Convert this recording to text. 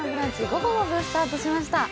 午後の部スタートしました。